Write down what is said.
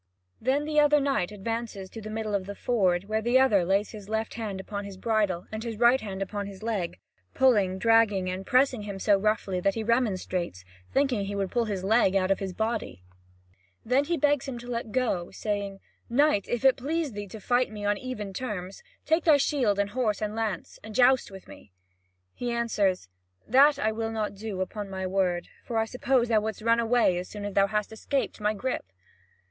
Then the other knight advances to the middle of the ford, where the other lays his left hand upon his bridle, and his right hand upon his leg, pulling, dragging, and pressing him so roughly that he remonstrates, thinking that he would pull his leg out of his body. Then he begs him to let go, saying: "Knight, if it please thee to fight me on even terms, take thy shield and horse and lance, and joust with me." He answers: "That will I not do, upon my word; for I suppose thou wouldst run away as soon as thou hadst escaped my grip."